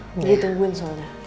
jadi tungguin soalnya